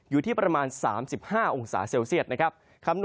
อยู่ที่ประมาณ๓๕องศาเซลเซียตนะครับ